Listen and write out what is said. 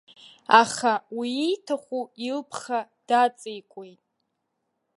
Аха уи ииҭаху илԥха даҵеикуеит.